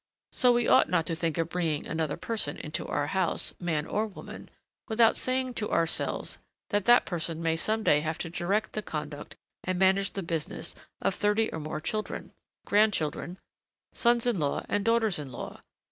So we ought not to think of bringing another person into our house, man or woman, without saying to ourselves that that person may some day have to direct the conduct and manage the business of thirty or more children, grandchildren, sons in law, and daughters in law.